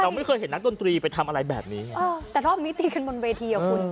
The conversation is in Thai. ไม่เคยเห็นนักดนตรีไปทำอะไรแบบนี้ไงเออแต่รอบนี้ตีกันบนเวทีอ่ะคุณ